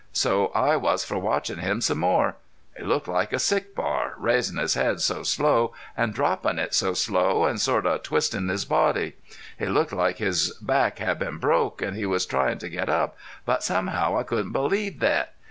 So I was for watchin' him some more. He looked like a sick bar raisin' his head so slow an' droppin' it so slow an' sort of twistin' his body. He looked like his back had been broke an' he was tryin' to get up, but somehow I couldn't believe thet.